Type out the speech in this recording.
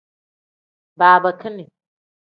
Babakini.